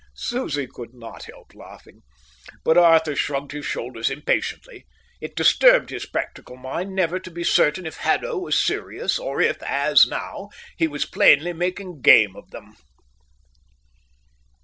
Susie could not help laughing. But Arthur shrugged his shoulders impatiently. It disturbed his practical mind never to be certain if Haddo was serious, or if, as now, he was plainly making game of them.